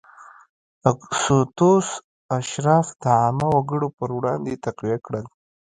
اګوستوس اشراف د عامو وګړو پر وړاندې تقویه کړل.